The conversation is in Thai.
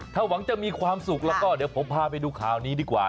ถ้าหวังจะมีความสุขแล้วก็เดี๋ยวผมพาไปดูข่าวนี้ดีกว่า